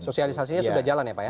sosialisasinya sudah jalan ya pak ya